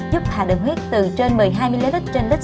giúp hạ đường huyết từ trên một mươi hai ml trên lít